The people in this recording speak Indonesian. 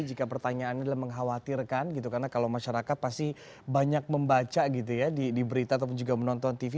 jika pertanyaan ini adalah mengkhawatirkan gitu karena kalau masyarakat pasti banyak membaca gitu ya di berita ataupun juga menonton tv